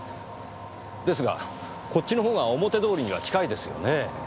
ですがこっちのほうが表通りには近いですよねぇ。